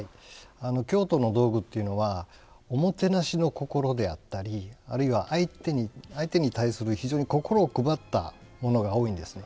京都の道具っていうのはおもてなしの心であったりあるいは相手に対する非常に心を配ったものが多いんですね。